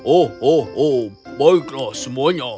oh oh oh baiklah semuanya